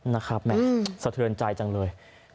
นะครับแหม่สะเทือนใจจังเลย